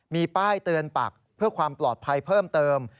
มีป้ายเตือนปักเพื่อความปลอดภัยเพิ่มเติม